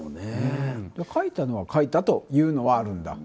書いたのは書いたというのはあるんだ。